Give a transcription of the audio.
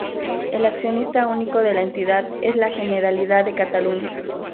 El accionista único de la entidad es la Generalidad de Cataluña.